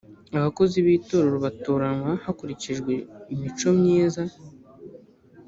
abakozi b itorero batoranywa hakurikijwe imico myiza